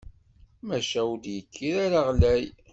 Maca ur d-yekkir ara ɣlay?